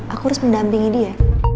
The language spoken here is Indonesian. aku harus mendampingi dia